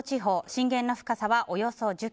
震源の深さはおよそ１０ｋｍ。